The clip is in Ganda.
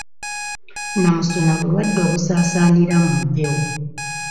Nnamusuna bulwadde obusaasaanira mu mpewo